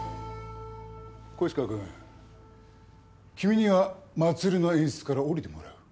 小石川くん君には祭りの演出から降りてもらう。